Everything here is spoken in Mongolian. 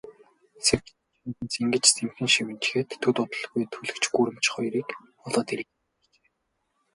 Сэвжид чавганц ингэж сэмхэн шивнэчхээд, төд удалгүй төлгөч гүрэмч хоёрыг олоод ирье гээд гарчээ.